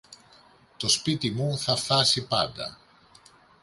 Το σπίτι μου θα φθάσει πάντα.